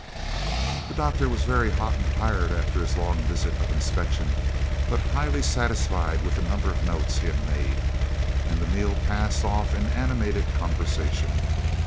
The doctor was very hot and tired after his long visit of inspection, but highly satisfied with the number of notes he had made, and the meal passed off in animated conversation.